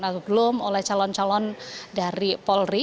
atau belum oleh calon calon dari polri